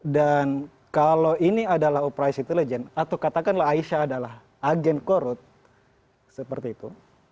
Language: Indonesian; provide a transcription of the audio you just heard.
dan kalau ini adalah operasi intelijen atau katakanlah aisyah adalah agen korot seperti itu